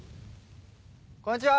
こんちは！